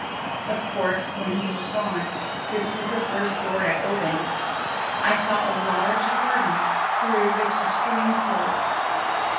"'Of course, when he was gone, this was the first door I opened. I saw a large garden, through which a stream flowed.